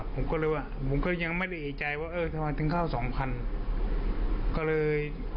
ผมก็เลยว่าผมก็ยังไม่ได้เอกใจว่าเออทำไมถึงเข้าสองพันก็เลย